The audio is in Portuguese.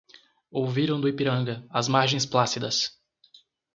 Ouviram do Ipiranga, às margens plácidas